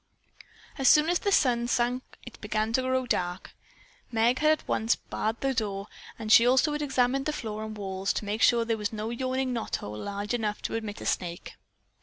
As soon as the sun sank it began to grow dark. Meg had at once barred the door, and also she had examined the floor and walls to be sure that there was no yawning knothole large enough to admit a snake.